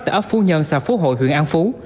tại ấp phú nhân xã phú hội huyện an phú